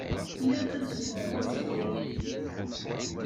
Ilaq ad ssufɣeɣ azebbal.